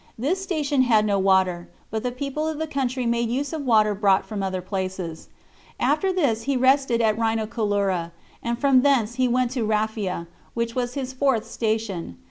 This station had no water, but the people of the country make use of water brought from other places. After this he rested at Rhinocolura, and from thence he went to Raphia, which was his fourth station.